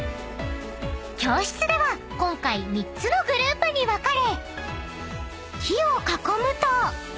［教室では今回３つのグループに分かれ火を囲むと］